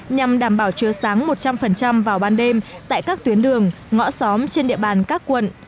nhằm đảm bảo chứa sáng một trăm linh vào ban đêm tại các tuyến đường ngõ xóm trên địa bàn các quận